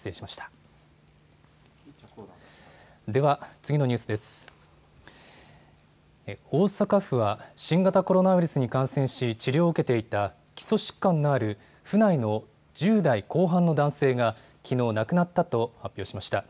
大阪府は新型コロナウイルスに感染し治療を受けていた基礎疾患のある府内の１０代後半の男性がきのう亡くなったと発表しました。